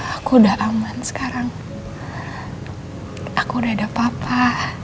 aku udah ada papa